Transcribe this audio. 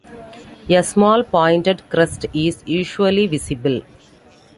A small, pointed crest is usually visible.